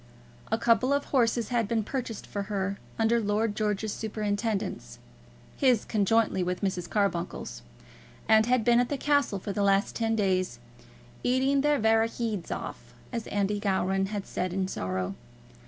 A couple of horses had been purchased for her, under Lord George's superintendence, his conjointly with Mrs. Carbuncle's, and had been at the castle for the last ten days "eating their varra heeds off," as Andy Gowran had said in sorrow.